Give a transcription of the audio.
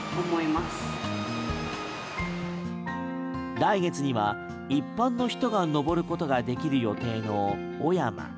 来月には一般の人が登ることができる予定の雄山。